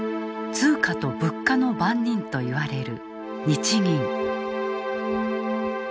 通貨と物価の番人といわれる日銀。